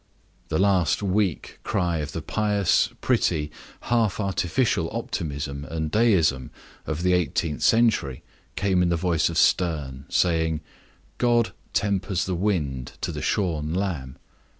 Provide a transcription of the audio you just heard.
The last weak cry of the pious, pretty, half artificial optimism and deism of the eighteenth century came in the voice of Sterne, saying, "God tempers the wind to the shorn lamb."